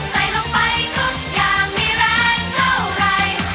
ใส่ลงไปทุกอย่างมีแรงเท่าไร